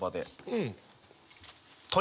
うん。